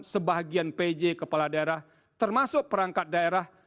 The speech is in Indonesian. sebagian pj kepala daerah termasuk perangkat daerah